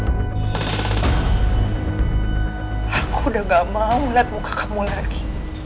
aku udah gak mau lihat muka kamu lagi